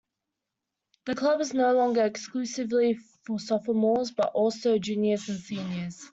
The club is no longer exclusively for sophomores but also juniors and seniors.